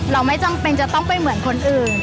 เราไม่จำเป็นจะต้องไปเหมือนคนอื่น